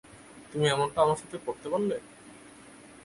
তুমি এমনটা আমার সাথে করতে পারলে?